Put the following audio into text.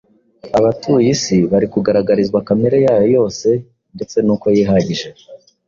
abatuye isi bari kugaragarizwa kamere yayo yose ndetse n’uko yihagije.